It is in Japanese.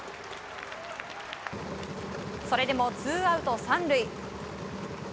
それでも、ツーアウト３塁。